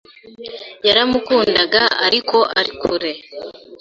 Yaramukunda ariko ari kure